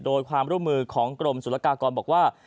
โดยความร่วมมือของกรมศุลกากรบอกว่า